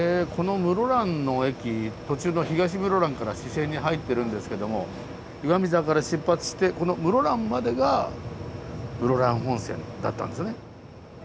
途中の東室蘭から支線に入ってるんですけども岩見沢から出発してこの室蘭までが室蘭本線だったんですよね。